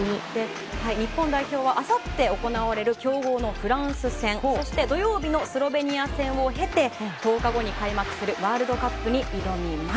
日本代表はあさって行われる強豪のフランス戦そして土曜日のスロベニア戦を経て１０日後に開幕するワールドカップに挑みます。